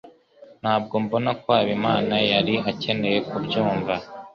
Ntabwo mbona ko Habimana yari akeneye kubyumva.